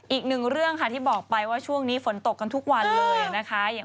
อีกหนึ่งเรื่องค่ะที่บอกไปว่าช่วงนี้ฝนตกกันทุกวันเลยนะคะ